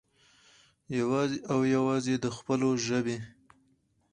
يوازې او يوازې د خپلو ژبې